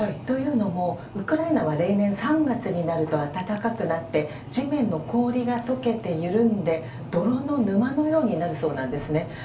というのも、ウクライナは例年３月になると暖かくなって地面の氷が解けて緩んで泥の沼のようになるそうなんですね。